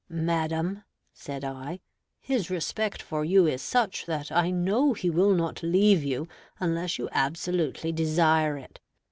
"Madam" (said I), "his respect for you is such that I know he will not leave you, unless you absolutely desire it.